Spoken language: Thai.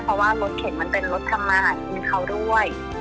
เพราะว่ารถเข็นมันเป็นรถทำมาหากินเขาด้วย